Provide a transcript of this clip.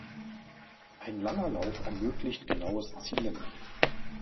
Ein langer Lauf ermöglicht genaues Zielen.